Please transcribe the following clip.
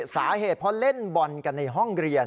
สาเหตุเพราะเล่นบอลกันในห้องเรียน